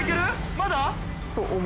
まだ？